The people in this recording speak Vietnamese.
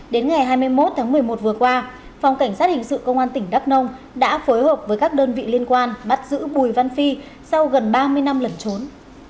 đến ngày hai mươi một tháng một mươi một vừa qua phòng cảnh sát hình sự công an tỉnh đắk nông đã phối hợp với các đơn vị liên quan bắt giữ bùi văn phi sau gần ba mươi năm lẩn trốn